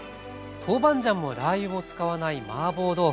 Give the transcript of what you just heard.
豆板醤もラー油も使わないマーボー豆腐。